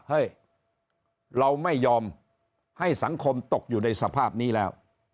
เฮ้ยเราไม่ยอมให้สังคมตกอยู่ในสภาพนี้แล้ว